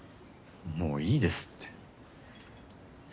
もういいですって。